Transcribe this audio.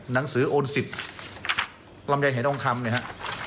หนังสือโอนสิทธิ์ลำไยหายทองคำเนี่ยฮะ